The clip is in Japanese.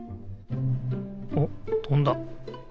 おっとんだ。